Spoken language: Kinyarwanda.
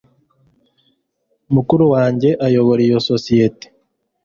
Mukuru wanjye ayobora iyo sosiyete.